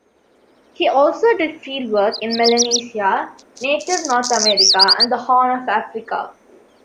He also did fieldwork in Melanesia, Native North America and the Horn of Africa.